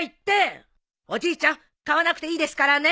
おじいちゃん買わなくていいですからね。